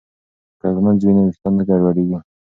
که ږمنځ وي نو ویښتان نه ګډوډیږي.